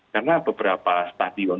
karena beberapa stadion